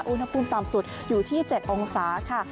อุณหภูมิต่ำสุดอยู่ที่๗องศาค่ะ